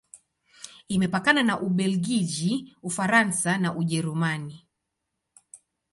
Imepakana na Ubelgiji, Ufaransa na Ujerumani.